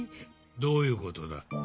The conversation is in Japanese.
どういうことだ？